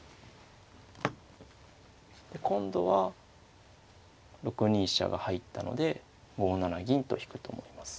今度は６二飛車が入ったので５七銀と引くと思います。